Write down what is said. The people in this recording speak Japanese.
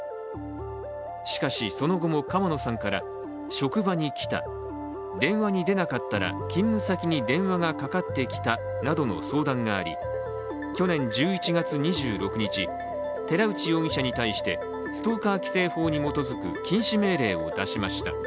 しかし、その後も川野さんから職場に来た、電話に出なかったら勤務先に電話がかかってきたなどの相談があり、去年１１月２６日、寺内容疑者に対してストーカー規制法に基づく禁止命令を出しました。